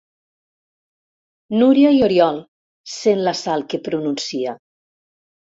Núria i Oriol, sent la Sal que pronuncia.